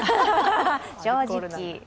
正直。